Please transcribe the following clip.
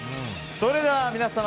それでは皆様